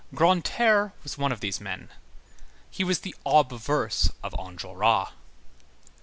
Grantaire was one of these men. He was the obverse of Enjolras.